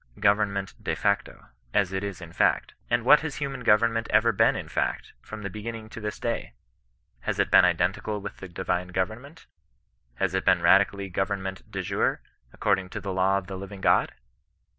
government de factOf as it is in fact. And what has human government ever been in fact, from the beginning to this day ? Has it been identical with the divine government ? Has it been radically government dejure, according to the law of the living God?